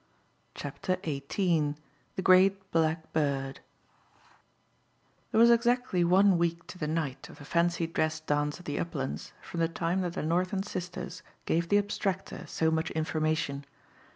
CHAPTER XVIII THE GREAT BLACK BIRD THERE was exactly one week to the night of the fancy dress dance at the Uplands from the time that the Northend sisters gave the abstractor so much information.